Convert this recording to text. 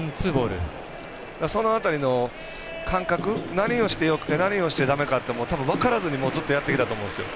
その辺りの感覚何をしてよくて何をしてだめかというのは分からずにもうずっとやってきたと思うんです。